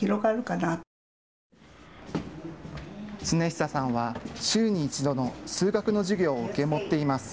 亘久さんは週に一度の数学の授業を受け持っています。